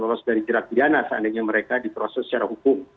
bahwa mereka akan lolos dari jerak pidana seandainya mereka diproses secara hukum